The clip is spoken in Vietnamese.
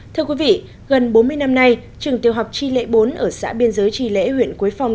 thưa quý vị gần bốn mươi năm nay trường tiểu học tri lễ bốn ở xã biên giới tri lễ huyện quế phong